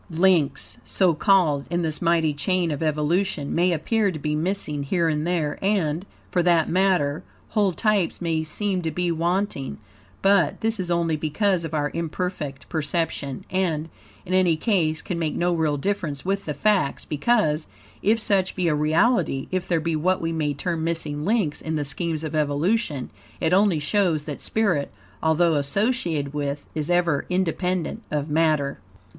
Links, so called, in this mighty chain of evolution, may appear to be missing here and there, and, for that matter, whole types may seem to be wanting, but, this is only because of our imperfect perception, and, in any case, can make no real difference with the facts, because, if such be a reality, if there be what we may term MISSING LINKS in the scheme of evolution, it only shows that spirit, although associated with, is ever independent of matter.